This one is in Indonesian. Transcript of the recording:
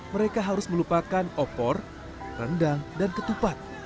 mereka harus melupakan opor rendang dan ketupat